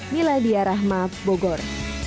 miladia rahma bogor